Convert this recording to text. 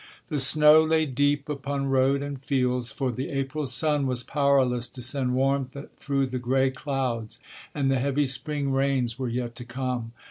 The snow lay deep upon road and fields, for the April sun was powerless to send warmth through the gray clouds, and the heavy spring rains were yet to come.